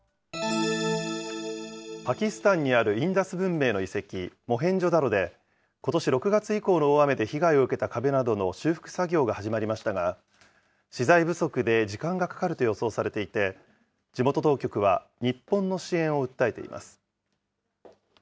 パキスタンにあるインダス文明の遺跡、モヘンジョダロで、ことし６月以降の大雨で被害を受けた壁などの修復作業が始まりましたが、資材不足で時間がかかると予想されていて、地元当局は、日本の支援を訴えています。